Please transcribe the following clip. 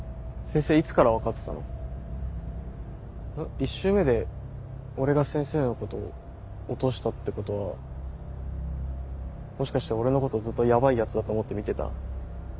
１周目で俺が先生のことを落としたってことはもしかして俺のことずっとヤバいヤツだと思って見てた？